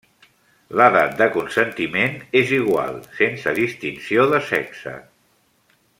L'edat de consentiment és igual, sense distinció de sexe.